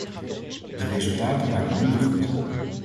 De resultaten waren minder goed.